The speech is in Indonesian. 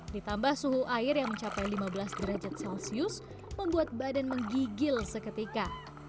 ditambah suhu air yang mencapai lima belas derajat celcius membuat badan menggigil seketika